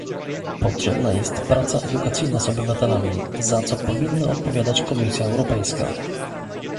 Potrzebna jest praca edukacyjna z obywatelami, za co powinna odpowiadać Komisja Europejska